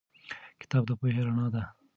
کتاب د پوهې رڼا ده.